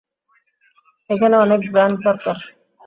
এখানে অনেক ব্র্যান্ড দরকার।